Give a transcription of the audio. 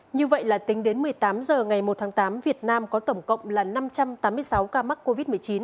như vậy là tính đến một mươi tám h ngày một tháng tám việt nam có tổng cộng là năm trăm tám mươi sáu ca mắc covid một mươi chín